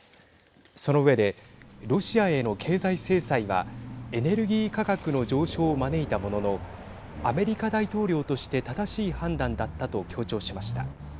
その上で、ロシアへの経済制裁はエネルギー価格の上昇を招いたもののアメリカ大統領として正しい判断だったと強調しました。